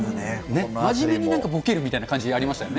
真面目になんかボケるみたいなのありましたよね。